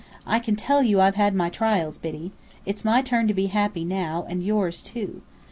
I can tell you I've had my trials, Biddy. It's my turn to be happy now, and yours, too.